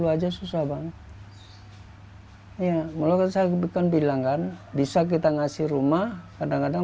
lima puluh aja susah banget ya melakukan saya kebukan bilang kan bisa kita ngasih rumah kadang kadang